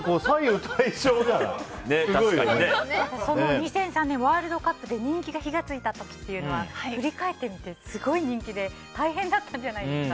そんな２００３年ワールドカップで人気に火が付いた時っていうのは振り返ってみて、すごい人気で大変だったんじゃないですか？